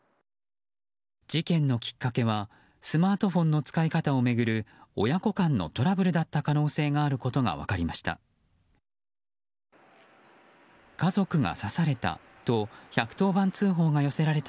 事件のきっかけはスマートフォンの使い方を巡る親子間のトラブルだった可能性があることが分かりました。